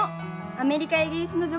アメリカやイギリスの女